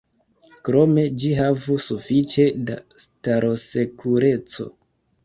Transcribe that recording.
Krome ĝi havu sufiĉe da starosekureco.